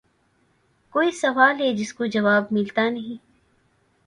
کوئی سوال ھے جس کو جواب مِلتا نیں